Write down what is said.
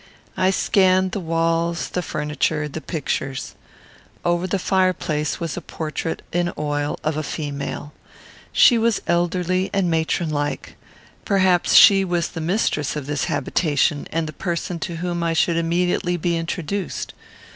I scanned the walls, the furniture, the pictures. Over the fireplace was a portrait in oil of a female. She was elderly and matron like. Perhaps she was the mistress of this habitation, and the person to whom I should immediately be introduced.